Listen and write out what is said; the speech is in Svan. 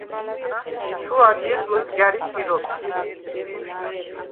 ჩუ ადჲეხ ლჷდგა̈რი პირობჟი.